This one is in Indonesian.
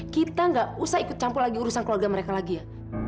kita gak usah ikut campur lagi urusan keluarga mereka lagi ya